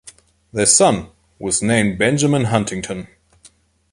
Their son was named Benjamin Huntington.